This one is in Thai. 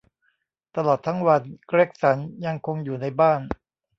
ตลอดทั้งวัน เกร็กสันยังคงอยู่ในบ้าน